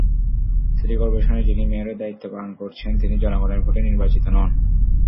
City করপোরেশনের যিনি মেয়রের দায়িত্ব পালন করছেন তিনি জনগণের ভোটে নির্বাচিত নন।